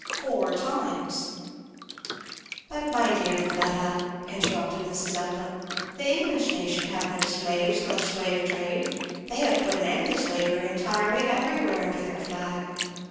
Four times" "But my dear Fleda," interrupted Mrs. Evelyn, "the English nation have no slaves nor slave trade they have put an end to slavery entirely everywhere under their flag."